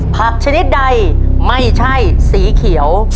ชนิดใดไม่ใช่สีเขียว